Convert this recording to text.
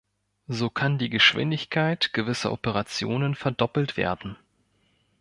So kann die Geschwindigkeit gewisser Operationen verdoppelt werden.